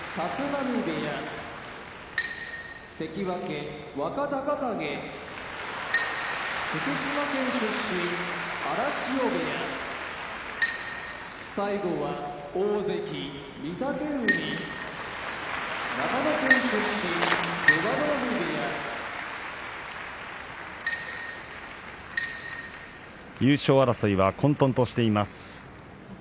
長野県出身出羽海部屋優勝争いは混とんとしています。